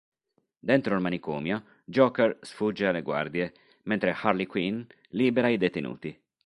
Dentro il manicomio, Joker sfugge alle guardie mentre Harley Quinn libera i detenuti.